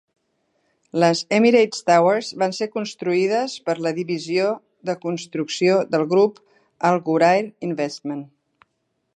Les Emirates Towers va ser construïdes per la divisió de construcció del grup Al Ghurair Investment.